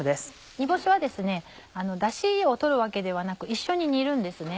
煮干しはダシを取るわけではなく一緒に煮るんですね。